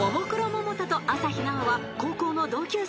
百田と朝日奈央は高校の同級生］